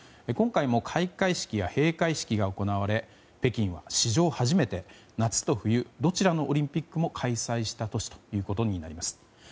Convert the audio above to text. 今回も開会式や閉会式が行われ北京は史上初めて夏と冬、どちらのオリンピックも開催した都市ということになります。